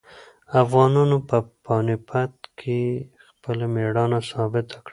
افغانانو په پاني پت کې خپله مېړانه ثابته کړه.